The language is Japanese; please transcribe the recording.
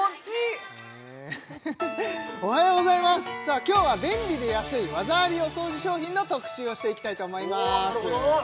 おはようございますさあ今日は便利で安い技ありお掃除商品の特集をしていきたいと思いますなるほど！